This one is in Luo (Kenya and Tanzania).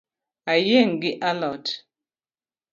Ayieng’ gi a lot